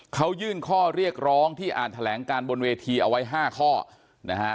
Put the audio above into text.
เขายื่นข้อเรียกร้องที่อ่านแถลงการบนเวทีเอาไว้๕ข้อนะฮะ